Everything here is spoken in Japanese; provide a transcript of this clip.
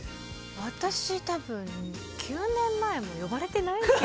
私、多分９年前も呼ばれてないんじゃ。